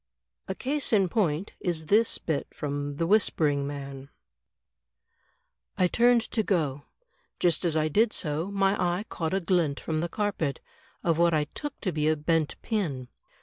'* A case in point, is this bit from "The Whispering Man:'' " I turned to go. Just as I did so, my eye caught a glint from the carpet, of what I took to be a bent pin.